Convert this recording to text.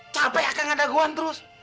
capek akang ngedaguan terus